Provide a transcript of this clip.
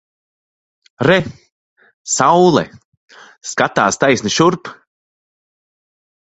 Re! Saule! Skatās taisni šurp!